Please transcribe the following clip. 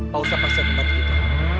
pak ustadz pasti akan bantu kita